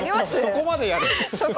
そこまでやる